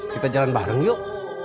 kita jalan bareng yuk